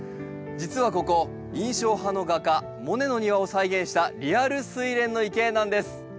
実はここ印象派の画家モネの庭を再現したリアルスイレンの池なんです。